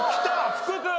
福君！